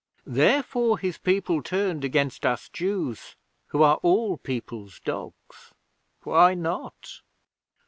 Therefore his people turned against us Jews, who are all people's dogs. Why not?